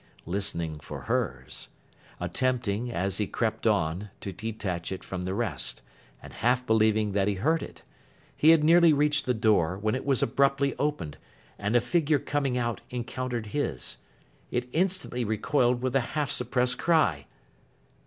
Listening for hers: attempting, as he crept on, to detach it from the rest, and half believing that he heard it: he had nearly reached the door, when it was abruptly opened, and a figure coming out encountered his. It instantly recoiled with a half suppressed cry.